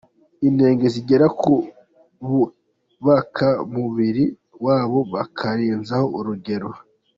Inenge zigera ku bubaka umubiri wabo bakarenza urugero.